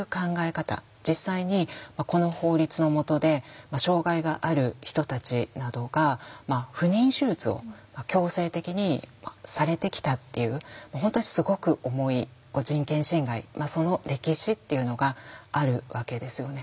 実際にこの法律のもとで障害がある人たちなどが不妊手術を強制的にされてきたっていう本当にすごく重い人権侵害その歴史っていうのがあるわけですよね。